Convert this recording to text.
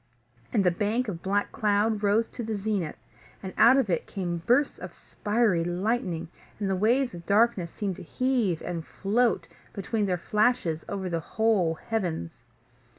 And the bank of black cloud rose to the zenith, and out of it came bursts of spiry lightning, and waves of darkness seemed to heave and float between their flashes over the whole heavens.